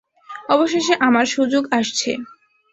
অবশেষে আমার সুযোগ আসছে।